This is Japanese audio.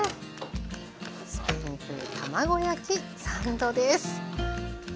スペイン風卵焼きサンドです。